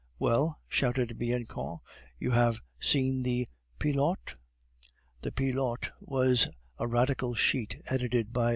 "Well?" shouted Bianchon, "you have seen the Pilote?" The Pilote was a Radical sheet, edited by M.